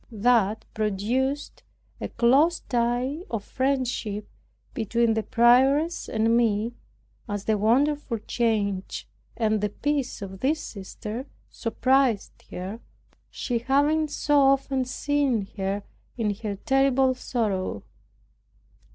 That produced a close tie of friendship between the prioress and me, as the wonderful change and the peace of this sister surprised her, she having so often seen her in her terrible sorrow.